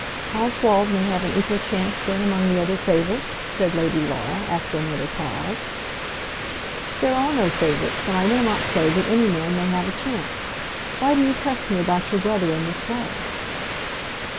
"Oswald may have an equal chance then among the other favourites?" said Lady Laura, after another pause. "There are no favourites, and I will not say that any man may have a chance. Why do you press me about your brother in this way?"